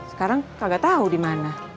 sekarang kagak tahu di mana